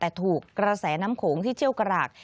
แต่ถูกกระแสน้ำโขงที่เชี่ยวกราก